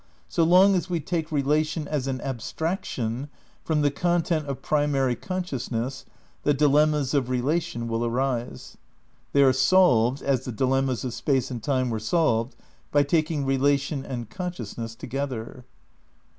So long as we take relation as an abstraction from the content of pri mary consciousness, the dilemmas of relation will arise. They are solved, as the dilemmas of Space and Time were solved, by taking relation and consciousness to gether.